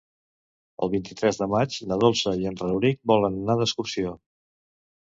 El vint-i-tres de maig na Dolça i en Rauric volen anar d'excursió.